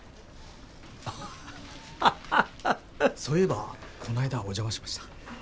そういえばこの間はお邪魔しました。